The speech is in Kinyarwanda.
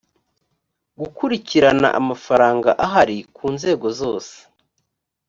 gukurikirana amafaranga ahari ku nzego zose